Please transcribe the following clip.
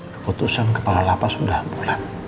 keputusan kepala lapas sudah bulat